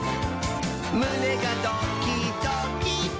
むねがドキドキ！」